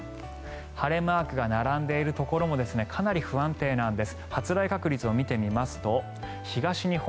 晴れマークが並んでいるところもかなり不安定なんです。